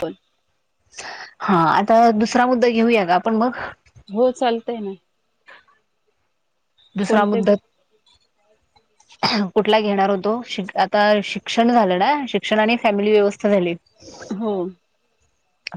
पण. हा आता दुसरा मुद्दा घेऊया का आपण मग. हो चालतय ना. दुसरा कोणते मुद्दा. कुठला घेणार होतो श आता शिक्षण झालं ना, शिक्षण आणि फॅमिली व्यवस्था झाली. [unintelligible] हो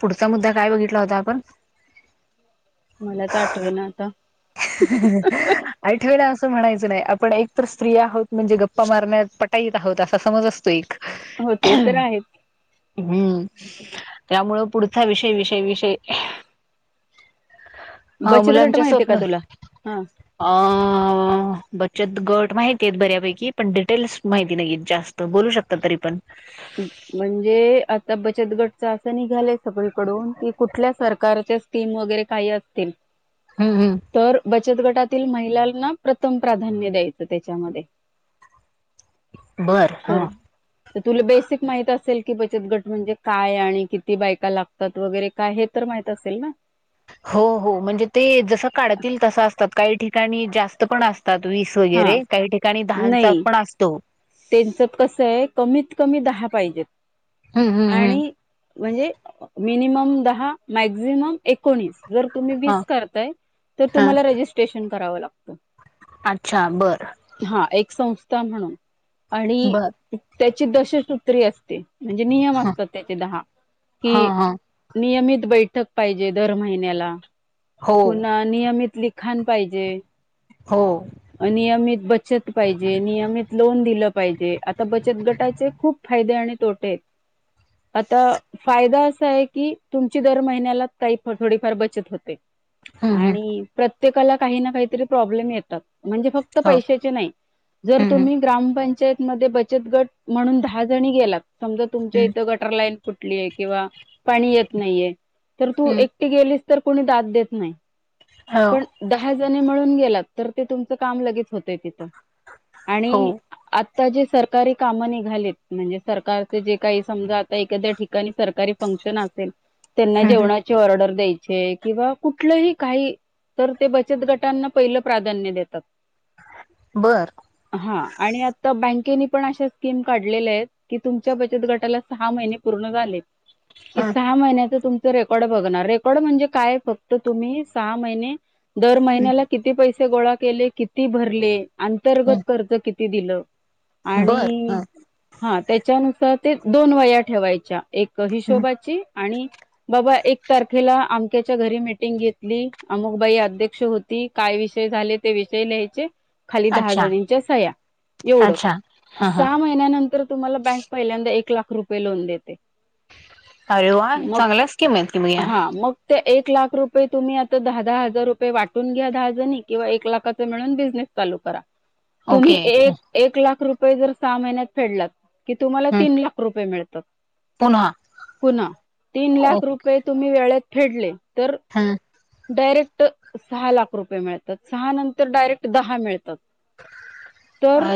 पुढचा मुद्दा काय बघितला होता आपण. मला तर आठवे ना आता. ऐकल असं म्हणायचं नाही, आपण एक तर स्त्री आहोत, म्हणजे गप्पा मारण्यात पटाईत आहोत, असा समज असतो एक. हो ते तर आहेत हम्म. त्यामुळं पुढचा विषय, विषय, विषय. हा बचत गट मुलांचे माहिती. अ, स्वप्न ब. गट माहिती आहेत बऱ्यापैकी पण डिटेल्स माहिती नाही जास्त बोलू शकत तरी पण म्हणजे आता बचत गट असं निघालय सगळीकडून की कुठल्या सरकारच्या स्कीम वगैरे काही असतील हुं हुं तर बचत गटातील महिलांना प्रथम प्राधान्य द्यायचं त्याच्यामध्ये बरं तर हां तर तुला बेसिक माह असेल की बचत गट म्हणजे काय आणि किती बायका लागतात वगैरे काय हे तर माहित असेल ना हो हो म्हणजे ते जस काढतील तसं असतात काही ठिक काही ठिकाणी जास्त पण अस असतात वीस हा वगैरे काही ठिकाणी दहाांचा पण असतो त्यांच कस आहे कमीत कमी दहा पाहिजेत हम्म हम्म हम्म. आणि म्हणजे मिनिमम दहा मॅक्झिमम एकोणीस जर तुम्ही हा वीस करताय तर हा तुम्हाला रेजिस्ट्रेशन करावं लागतं अच्छा बर हा एक संस्था म्हणून आणि बर त्याची दशसूत्री असते म्हणजे नियम ह असतात त्यांचे दहा हा की हा नियमित बैठक पाहिजे दर महिन्याला हो पुन्हा नियमित लिखाण लिखाान पाहिजे हो नियमित बचत पाहिजे नियमित लोन दिलं पाहिजे आता बचत गटाचे खूप फायदे आणि तो आता फायदा असा आहे की तुमची दर महिन्याला काही थोडीफार बचत होते हम्म हम्म आणि प्रत्येक प्रत्येकाला काही ना काहीतरी प्रॉब्लेम येतात म्हणजे फक्त हो पैशाचे नाही जर हम्म हम्म तुम्ही ग्रामपंचायत मध्ये बचत गट म्हणून दहा जणी गेलात समजा तुमच्या हम्म इथं गटर लाईन कुठलीय आहे किंवा पाणी येत नाहीये तर तू हम्म एकटी गेलीस तर कोणी दात देत नाही हो पण दहा दहा जनी मिळुन गेलात तर तुमच काम लगेच होत तिथ हो आणि [unintelligible] जे सरकारी कामं निघालेत म्हणजे सरकारचे जे काही समजा आता एखाद्या ठिकाणी सरकारी फंक्शन असेल त्यांना हम्म जेवणाची ऑर्डर द्याय [unintelligible] [unintelligible] किंवा कुठलंही काही- तर ते बचत गटांना पहिलं प्राधान्य देतात हम्म बर हा- आणि आत्ता [unintelligible] [unintelligible] अशा स्कीम काढलेल्या आहेत की तुमच्या बचत गटाला सहा महिने पूर्ण झाले ह ते सहा महिन्याच तुम ते रेकॉर्ड बघणार रेकॉर्ड म्हणजे काय [unintelligible] तर तुम्ही सहा महिने दर हम्म महिन्याला किती पैसे [unintelligible] गोळा केले किती भरले अंतर्गत हम्म कर्ज कि [unintelligible] ते दिलं बर आणि ह -हां त्याच्या [unintelligible] त्यापण दोन वह्या ठेवायच्या एक हम्म हिशोबाची आणि बघा एकतर तुला अमक्याच्या घरीे [unintelligible] [unintelligible] घेतली अन मग बाई अध्यक्ष होती काय विषय झाले ते विषय लिहायचे खाली दहा अच्छा जनांच्या सह्या अच्छा एवढं- हा हा सहा महिन्यानंतर तुम्हाला बँक पहिल्यांदा एक लाख रुपये लोन देते अरे वा मग चांगलाच की म [unintelligible] हा मग ते एक लाख रुप ते तुम्ही आता दहा दहा हजार रुपये वाटून घ्या दहा जणी किंवा एक लाखाचा मिळून बिझनेस चालू करा ओके तुम्ही एक -एक लाख रुपय ते जर सहा महिन्यात फेडलत की तुम्हाला हम्म तीन लाख रुपये [unintelligible] त पुन्हा पुन्हा- तीन ओ लाख रुपये तुम्ही वेळेत फेडले तर हम डायरेक्ट सहा लाख रुपये मिळतात सहा नंतर डायरेक्ट दहा मिळत [unintelligible] अ तर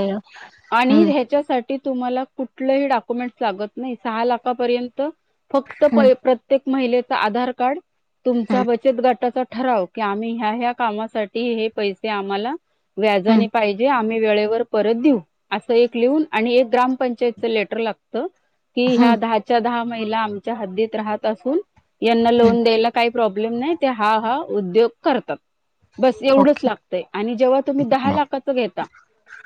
आणि हम्म ह्याच्यासाठी तर तुम्हाला कुठलही डॉक्युमेंट लागत नाही सहा लाखापर्यंत [unintelligible] हम्म प्रत्येक महिलेचा आधार कार्ड त्या हम्म बचत गटाचा ठराव की आम्ही ह्या ह्या कामासाठी हे पैसे आम्हाला हम्म व्याजाने पाहिजे आमही आणि वेळेवर परत देऊ अस एक लिहून आणि एक ग्रामपंचायतच लेटर लागत कि हम्म ह्या दहाच्या दहा महिला आमच्या हद्दीत राहत असून यांना हम्म, लोन द्यायला काय प्रॉब्लेम नाही ते हा- हा उद्योग करतात. बस एवढंच ओके. लागतय आणि जेव्हा तुम्ही दहा लाखच घेता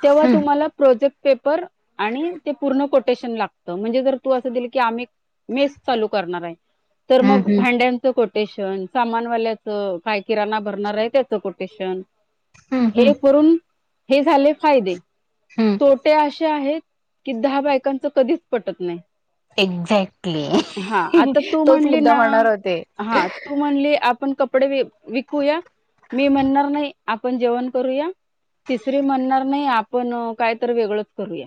तेव्हा हम्म, तुम्हाला प्रोजेक्ट पेपर आणि ते पूर्ण कोटेशन लागत म्हणजे जर तू असं दिल की -आम्ही मेस चालू करणार आहे तर हम्म, मग भांड्यांच कोटेशन सामान, वाल्याचं, काय किराणा भरणार आहे त्याच कोटेशन. हम्म, हम्म, हम्म, हे करून हे झाले फायदे हम्म. तोटे अश ते आहेत की दहा बायकांच कधीच पटत नाही एक्झॅक्टली हा आता [inaudible] तू तोच म्हणली मुद्दा ना म्हणणार होते हा तू म्हणले आपण कपडे- विकूया, मी म्हणणार नाही आपण जेवण करूया, तिसरी म्हणणार नाही, आपण कायतर वेगळच करूया.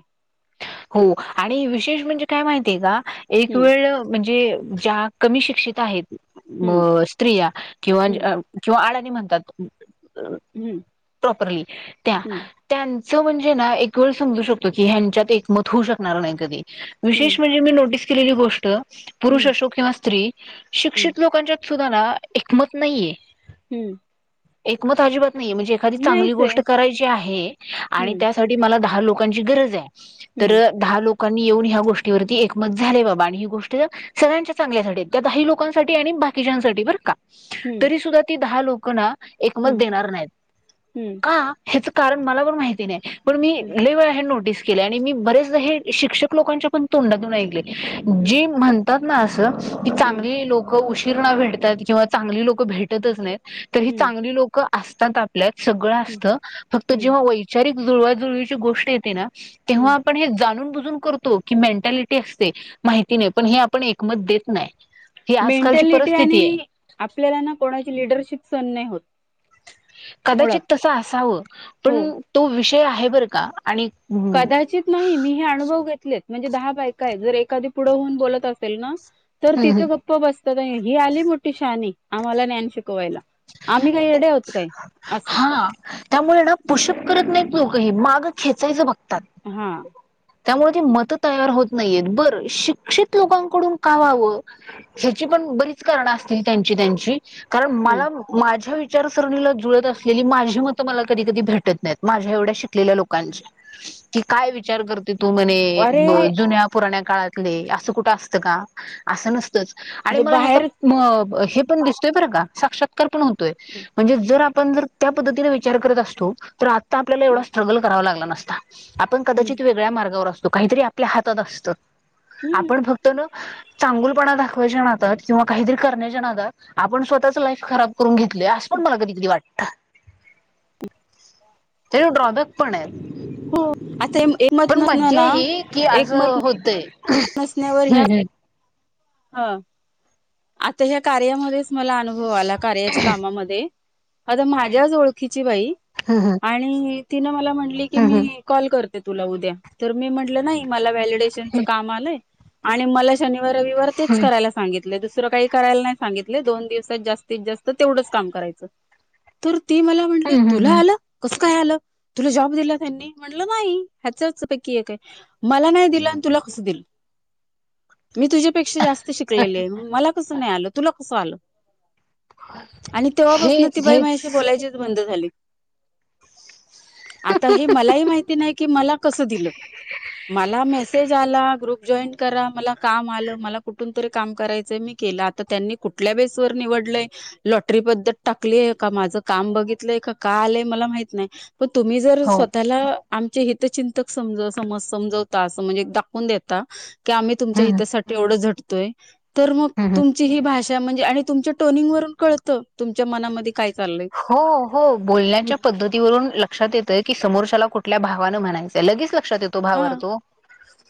हो, आणि विशेष म्हणजे काय माहितीय का एक हम्म वेळ म्हणजे ज्या कमी शिक्षित आहेत. म हम्म स्त्रिया किंवा हम्म [unintelligible] किंवाळा म्हणतात [unintelligible] [unintelligible] हम्म प्रॉपरली त्या हम्म चव म्हणजे ना एक वेळ समजू शकतो की ह्यांच्यात एक मत होऊ शकणार नाही कधी हम्म विशेष म्हणजे मी नोटीस केलेली गोष्ट पुरुष हम्म असो किंवा स्त्री हम्म शिक्षित लोकांच्या सुद्धा ना एकमत नाहीये हम्म एकमत अजीबात नाही म्हणजे एखादी चांगली नाहीच आहे. गोष्ट करायची आहे आणि हम्म त्यासाठी मला दहा लोक लोकांची गरज आहे [inaudible] तर हम्म दहा लोक लोकांनी येऊन ह्या गोष्टीवरती एकमत झालेय बाबा, आणि ही गोष्ट सगळ्यांच्या चांगल्यासाठी त्या दाही लोकांसाठी आणि बाकीच्यांसाठी बर का हम्म तरी सुद्धा ती दहा लोक- हो ना [unintelligible] एकमत हम्म देणार नाहीत, हम्म का हेच- कारण मला पण माहिती नाही. पण मी हम्म लय वेळा हे नोटीस केल आणि मी- बरेच हे शिक्षक लोकांच्या पण तोंडातून ऐकले. हम्म जी म्हणतात. मासं [unintelligible] की हम्म चांगली लोक उ किरणा भेटतात किंवा चांगली लोक भेटतच नाहीत. त ह हम्म चांगली लोक असतात. आपल्यात सगळं असतं, फक्त हम्म जेवा वैचारिक जुळवाजुळवीची गोष्ट येते ना, तेव्हा हं. आपण हे जाणून बुजून करतो की, मेंटॅलिटी असते, माहिती नाही, पण हे आपण एकमत देत नाही. ही आजकालची मेंटॅलिटी परिस्थिती आहे आणि आपल्याला ना कोणाची लिडरशिप सन नाही होत. कदाचित मुळात तस असा पण हो तो- ते आहे बरं का? आणि कदाचित नाही, मी हे अनुभव घेतलेत. म्हणजे दहा बायका आहेत, जर एखादी पुढं होऊन बोलत असेल ना तर हम्म हम्म तिथे गप्प बस ही आली मोठी शहाणी, आम्हाला ज्ञान शिकवायला. आम्ही काही येडे आहोत काय असं हा त्यामुळे ना पुशप करत नाही. लोक हे, मागं खेचायचं बघ तात, हा त्यामुळे ते मत तयार होत- नाहीेत, बरं. शिक्षित लोकांकडून का व्हावं? ह्याची पण बरीच कारणं असतील त्यांची, त्यांची, कारण मला- माझ्या विचारसरणीला जुळत असलेली माझी मतं मला कधी कधी भेटत नाहीत, माझ्या एवढ्या शिकलेल्या लोकांची की काय विचार कर तू म्हणे, ब अरे जुन्या पुराण्या काळातले, असं कुठं असतं का? असं नसतंच. आणि हे मला ह्याचा बाहेर म हे पण दिसतोय बरं का, साक्षात कल्पनूर तोय, म्हणे जर आप पण जर त्या पद्धतीने विचार करत असतो, तर आ आता आपल्याला एवढा स्ट्रगल करावा लागला ना? असता आपण हम्म कदाचित वेगळ्या मार्गावर अस त काहीतरी आपल्या हातात असतं. हम्म आपणं फक्त न चांगुलपणा दाखवायच्या किंवा किंवा काहीतरी करण्याच्या नादात आपण स्वतःच लाईफ खराब करून घे असं पण मला कधीतरी वाटं ठेव ड्रॉबॅक पण आहेत. हो आता पण मज्जा एकमतमतनना ही की असं एकमत होतय नसण्यावर ह्या हम्म हम्म हं, आता ह्या कार्यामध्येच मला अनु हो आला कार्याच्या कामामध्ये आता माझ्याच ओळखीची बाई हं हं आणिई तिनं मला म्हटली की, हं मीं हं कॉल कर तुला उद्या, तर मी म्हटलं नाहीं, मला वॅलेट केशनच काम आलंय आणि मला शनिवार, रवि तेच करायला सांगिन. तुला दुसरं काही करायला नाही सांगितल, दोन दिवसात जास्तीत जास्त तेवढंच काम करायचं ती मला म्हणली, हं हं तुला हं आलं, कस? काय आलं, तुला जॉब दिला त्यांनी, म्हणलं नाहीं, ह्याच्याचपैकी एक हाय, मला नाहीं दिला न तुला कसा दिला, मीं तुझ्या पेक्षा जास्त शिकलेली आहे, मग मला कसं नाही आलं, तुला कसं आलं? आणि तेव्हापासनं हेच ती बाई हेच माझ्याशी बोलायचीच बंद झाली. आता हे मलाही माहिती नाही की मला कस दिलं मला मेसेज आला ग्रुप जॉईन करा मला काम आलं मला कुठून तरी काम करायचंय मी केलं आता त्यांनी कुठल्या बेसेसवर निवडलंय लॉटरी पद्धत टाकलीय का माझं काम बघितलंय का का आलंय मला माहित नाही मग तुम्ही जरी हो स्वतःला आमचे हे तर चिंतक समज समज समजवता असं म्हणजे एक दाखवून देता की आम्ही हं तुमच्या हं हितासाठी थोड झटतय तर मग हं हं तुमची ही भाषा [inaudible] आणि तुमच्या टोनिंग वरून कळतं तुमच्या मनामध्ये काय चाललंय हो हो बोलण्याच्या पद्धतीवरून लक्षात येतय की समोरच्याला कुठ. कुठल्या भावा न मनायचे लगेच लक्षात येतो ह भावार्थ तो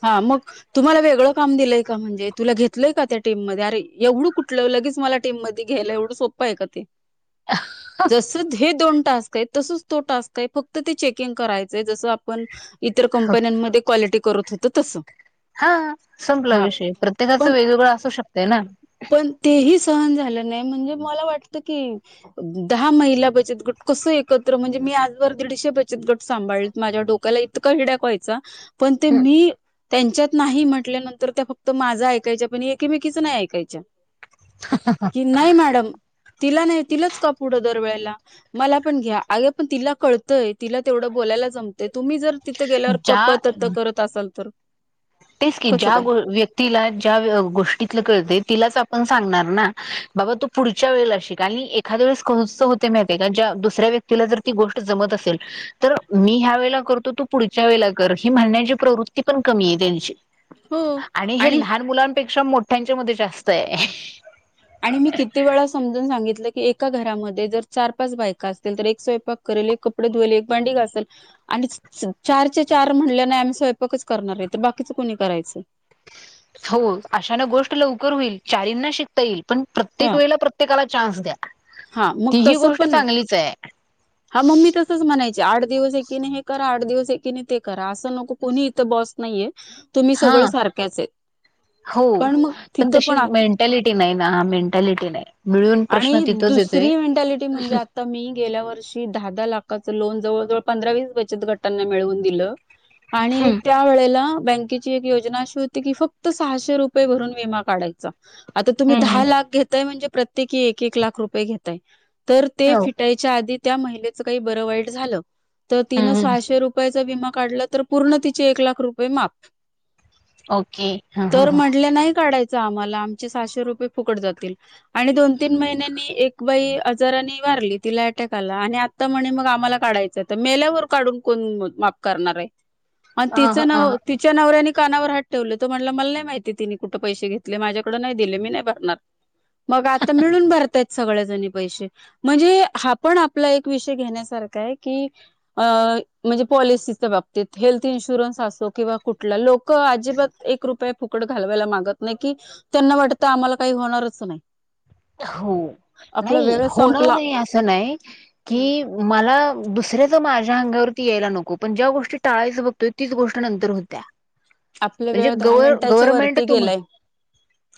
हा मग तुम्हाला वेगळं काम दिलंय का म्हणजे तुला घेतलंय का त्या टीम मध्ये अरे एवढं कुठलं लगेच मला टीम मध्ये घ्यायला एवढं सोपं आहे का ते. जस हे दोन टास्क तसच तो टास्क फक्त ते चेकिंग करायचंय जस आपण कंपन्यांमध्ये क्वालिटी करत होते तसं हा संपला हा विषय प्रत्येकाच पण वेगवेगळं असू शकतय ना पण तेही सहन झालं नाही म्हणजे मला वाटत की दहा महिला बचत गट कस एकत्र म्हणजे मी आजभर दीडशे बचत गट सांभाळ माझ्या डोक्याला इतका हड्या व्हायचा पण ते मी त्यांच्यात नाही म्हटल्यानंतर त्या फक्त माझा ऐकायच्या पण एकेमेकीच नाही ऐकायच्या कि नाही मॅडम तिला नाही तिलाच का पुढं दरवेेळेला मला पण घ्या अग पण तिला कळतंय तिला तेवढं बोलायला जमतंय तुम्ही जर गेल्यावर ज्या पप् तत करत असाल तर तेच की कसं ज्या काय व्यक्तीला ज्या गोष्टीतलं कळते तिलाच आप पण सांगणार ना बाबा तू पुढच्या वेळेला शिक आणि एखाद्या वेळेस कस होतय माहितीये का ज्या दुसऱ्या व्यक्तीला जर ती गोष्ट जमत असेल तर मी ह्या वेळेला करतो तू पुढच्या वेळेला कर हि म्हणण्याची प्रवृत्ती पण कमी येते हो आणि हे लहान मुलांपेक्षा म मोठ्यांच्या मध्ये जास्त आहे आणि मी किती वेळा समजून सांगितलं की एक एका घरामध्ये जर चार पाच बायका असतील तर एक स्वयंपाक करेल एक कपडे धुवेल एक बांडी घासेल आणि चारच्या चार म्हणल्या नाही आम्ही स्वयंपाकच करणार आहे तर बाकीच कोणी करायचं हो अशान गोष्ट लवकर होईल चारींना शिकता येईल पण ह प्रत्येक वेळेला प्रत्येकाला चान्स द्या हा मग ती ही तसं गोष्ट पण चांगलीचाय हा मग मी तसंच म्हणायचे आठ दिवस एकीने हे करा आठ दिवस एकीने ते करा असं नको कोुणी इथं बस नाहीये तुम्ही हा सगळ सारख्याच आहे हो पण मग तिथं तशी पण मेंटॅलिटी नाही ना मेंटॅलिटी नाही मिळून प्रश्न आणि तिथंच येतोय दुसरी मेंटॅलिटी म्हणजे आता मी गेल्या वर्षी दहा दहा लाख खाच लोन जवळजवळ पंधरा वीस बचत गटांना मिळवून दिलं. आणि हम्म त्या वेळेला बँकेची एक योजना अशी होती की फक्त सहाशे रुपये भरून विमा काढायचा आता तुम्ही हम्म दहा लाख घेताय म्हणजे प्रत्येकी एक एक लाख रुपये घेताय. तर ते हो फिटायच्या आधी त्या महिलेचं काय बरं वाईट झालं तर तिनं हम्म हम्म. सहाशे रुपयाच तो विमा काढला तर पूर्ण तिचे ऐक लाख रुपये माफ ओके ह तर ह म्हटल्या नाही काढाय चा आम्हाला आमचे सहाशे रुपये फुकट जातील. आणि दोन तीन महिन्यांनी एक बाई आजारानी वारली तिला अटॅक आला आणि आता म्हणे मग आम्हाला काढायचं तर मेल्यावर काढून कोण माप करणार आहे. आणि तिच नाव तिच्या नवऱ्याने कानावर हात ठेवले तो म्हटलं मला नाही माहिती तिनी कुठं पैसे घेतले माझ्याकडे नाय दिले मी नाय भरणार मग आता मिळून भरतायत सगळ्याजणी पैसे म्हणजे हा आपण आपला एक विषय घेण्यासारखा आहे की अ म्हणजे पॉलिसीच्या बाबतीत हेल्थ इन्शुरन्स असो किंवा कुठला लोक अजिबात एक रुपये फुकट घालवायला मागत नाही कि त्यांना वाटत आम्हाला काही होणारच नाही. हो आपला नाही वेळ होणार संपला नाही असं नाही हम्म. की मला दुसऱ्याच माझ्या अंगावरती यायला नको पण ज्या गोष्ट टाळायचं बघतोय तीच गोष्ट नंतर होत्या आपला म्हणजे वेळ दहा गव मिनिटाच्या गव्हर्मेंट वरती तुम गेलाय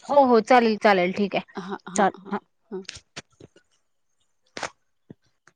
हो हो चालेल चालेल ठीक ये. हा हा